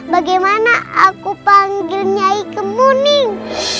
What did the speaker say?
bagaimana aku panggil nyai kemuning